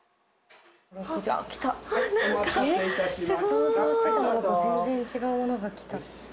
想像してたものと全然違うものが来た。